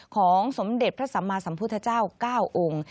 ของสมเด็จพระสัมมาสัมพุทธเจ้า๙องค์